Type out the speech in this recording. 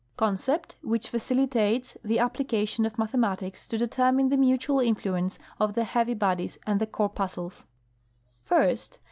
CONCEPT, WHICH. FACILITATES THE APPLICATION OF MATHEMATICS TO DETERMINE THE MUTUAL INFLUENCE OF THE HEAVY BODIES AND THE CORPUSCLES. First.